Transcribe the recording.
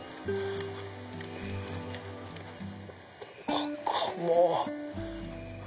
ここもう。